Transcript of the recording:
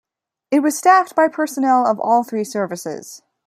It was staffed by personnel of all three services.